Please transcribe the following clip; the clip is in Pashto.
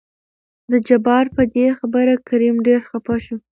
د جبار په دې خبره کريم ډېر خپه شو.